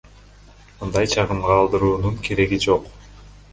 Мындай чагымга алдыруунун кереги жок.